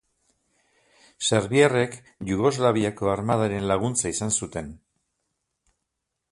Serbiarrek Jugoslaviako Armadaren laguntza izan zuten.